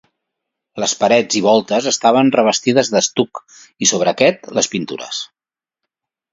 Les parets i voltes estaven revestides d'estuc i sobre aquest, les pintures.